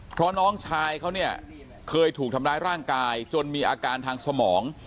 เพราะน้องชายเขาเนี่ยเคยถูกทำร้ายร่างกายจนมีอาการทางสมอง